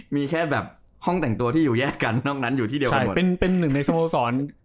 มีแค่แบบห้องแต่งตัวที่อยู่แยกกันนอกนั้นอยู่ที่เดียวกันหมด